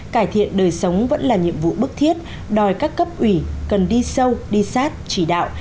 cải thiện đời sống vẫn là nhiệm vụ bức thiết đòi các cấp ủy cần đi sâu đi sát chỉ đạo